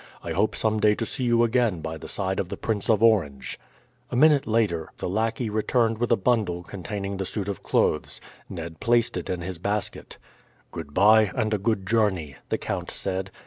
I hope some day to see you again by the side of the Prince of Orange." A minute later the lackey returned with a bundle containing the suit of clothes. Ned placed it in his basket. "Goodbye, and a good journey," the count said.